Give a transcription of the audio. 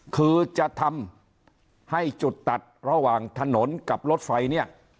คือจะทำให้จุดตัดระหว่างถนนกับรถไฟเนี่ย